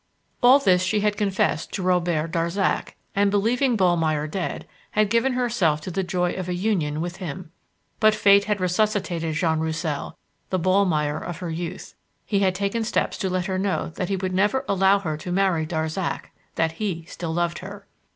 All this she had confessed to Robert Darzac, and, believing Ballmeyer dead, had given herself to the joy of a union with him. But fate had resuscitated Jean Roussel the Ballmeyer of her youth. He had taken steps to let her know that he would never allow her to marry Darzac that he still loved her.